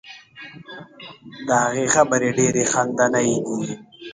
د هغې خبرې ډیرې خندنۍ دي.